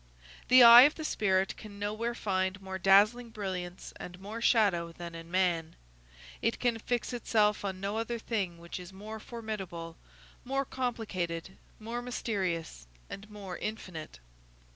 The eye of the spirit can nowhere find more dazzling brilliance and more shadow than in man; it can fix itself on no other thing which is more formidable, more complicated, more mysterious, and more infinite.